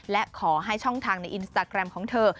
และขอให้ช่องทางในอินสตาแกรมของเธอ